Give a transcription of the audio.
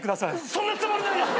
そんなつもりないです！